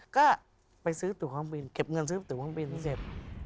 ก็ไปซื้อสถุงความบินเข็บเงินซื้อสถุงความบินเสร็จ